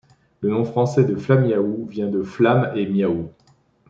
Le nom français de Flamiaou vient de Flamme et miaou.